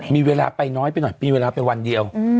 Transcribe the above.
มีเวลาไปน้อยไปหน่อยมีเวลาไปวันเดียว